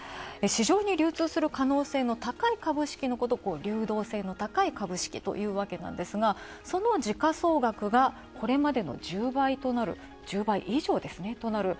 市場に流通する可能性の高い株式のことを流動性の高い株式というわけなんですがその時価総額がこれまでの１０倍以上ですね。